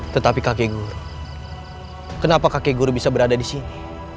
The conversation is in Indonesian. tetapi kakek guru kenapa kakek guru bisa berada disini